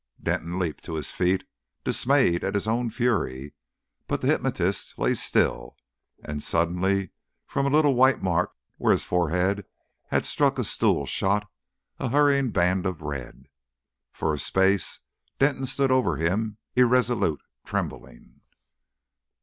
Denton leaped to his feet, dismayed at his own fury; but the hypnotist lay still, and suddenly from a little white mark where his forehead had struck a stool shot a hurrying band of red. For a space Denton stood over him irresolute, trembling.